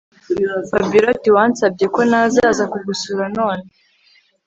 Fabiora atiwansabye ko nazaza kugusura none